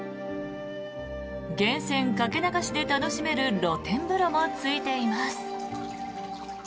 源泉かけ流しで楽しめる露天風呂もついています。